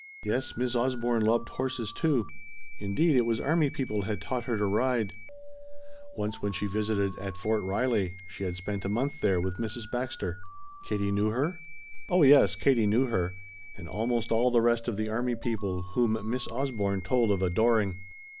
Yes, Miss Osborne loved horses too. Indeed it was army people had taught her to ride; once when she visited at Fort Riley she had spent a month there with Mrs. Baxter. Katie knew her? Oh, yes, Katie knew her, and almost all the rest of the army people whom Miss Osborne told of adoring.